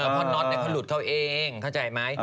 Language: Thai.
พ่อน็อตน่ะเขาหลุดเขาเองเข้าใจมั้ย